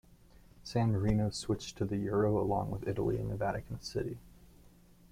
San Marino switched to the euro along with Italy and the Vatican City.